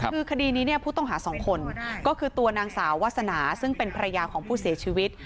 คือคดีนี้เนี่ยผู้ต้องหา๒คนก็คือตัวนางสาววาสนาซึ่งเป็นภรรยาของผู้เสียชีวิต